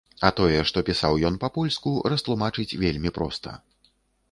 А тое, што пісаў ён па-польску, растлумачыць вельмі проста.